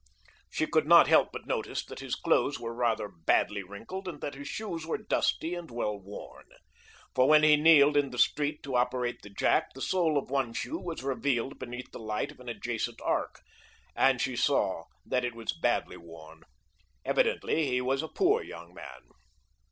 She could not help but notice that his clothes were rather badly wrinkled and that his shoes were dusty and well worn; for when he kneeled in the street to operate the jack the sole of one shoe was revealed beneath the light of an adjacent arc, and she saw that it was badly worn. Evidently he was a poor young man.